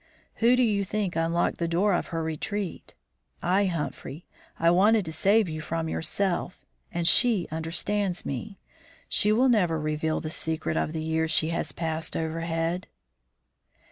"Who do you think unlocked the door of her retreat? I, Humphrey. I wanted to save you from yourself, and she understands me. She will never reveal the secret of the years she has passed overhead."